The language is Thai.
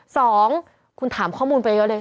สองคุณถามข้อมูลไปเยอะเลย